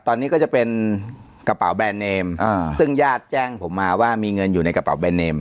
ตอนนี้ก็จะเป็นกระเป๋าแบรนดเนมอ่าซึ่งญาติแจ้งผมมาว่ามีเงินอยู่ในกระเป๋าแบรนเนม